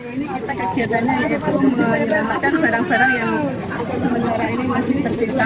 ini kita kegiatannya yaitu menyelamatkan barang barang yang sementara ini masih tersisa